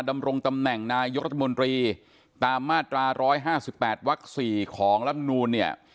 ดำรงตำแหน่งนายกรัฐมนตรีตามมาตรา๑๕๘วัก๔ของลำนูลเนี่ย